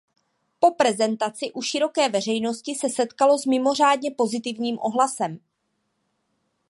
Po prezentaci u široké veřejnosti se setkalo s mimořádně pozitivním ohlasem.